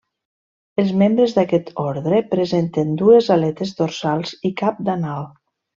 Els membres d'aquest ordre presenten dues aletes dorsals i cap d'anal.